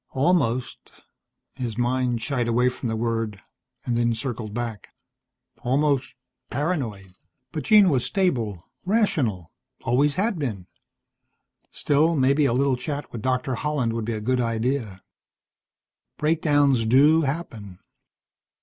Almost His mind shied away from the word, and circled back. Almost paranoid. But Jean was stable, rational, always had been. Still, maybe a little chat with Doctor Holland would be a good idea. Breakdowns do happen.